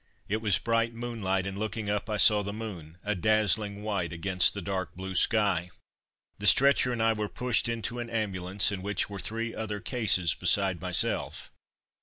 It was bright moonlight, and looking up I saw the moon, a dazzling white against the dark blue sky. The stretcher and I were pushed into an ambulance in which were three other cases beside myself.